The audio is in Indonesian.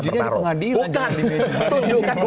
pertaro diuji dari pengadilan bukan